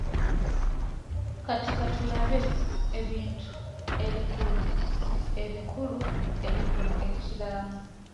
Kati katulabe ebintu ebikulu ebikulu ebikola ekiraamo.